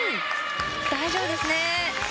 大丈夫ですね。